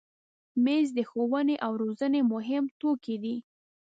مېز د ښوونې او روزنې مهم توکي دي.